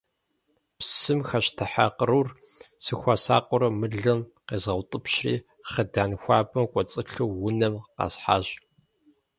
Псым хэщтыхьа кърур, сыхуэсакъыурэ мылым къезгъэутӏыпщри, хъыдан хуабэм кӏуэцӏылъу унэм къэсхьащ.